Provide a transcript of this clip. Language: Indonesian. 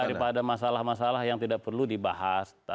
daripada masalah masalah yang tidak perlu dibahas